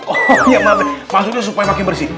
oh iya mabes maksudnya supaya makin bersih